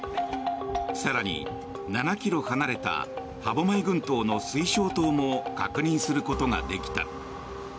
更に７ｋｍ離れた歯舞群島の水晶島も確認することができた。